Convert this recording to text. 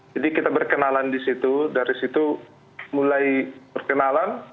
jadi kita berkenalan di situ dari situ mulai berkenalan